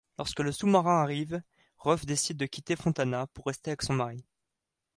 Lorsque le sous-marin arrive, Ruth décide de quitter Fontana pour rester avec son mari.